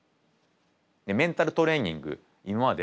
メンタルトレーニング今まで